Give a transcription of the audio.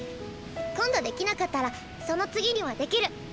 今度できなかったらその次にはできる！